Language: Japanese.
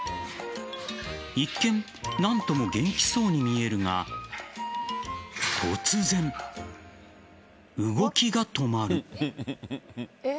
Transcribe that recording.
一見、何とも元気そうに見えるが突然、動きが止まる。